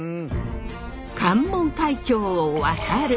関門海峡を渡る！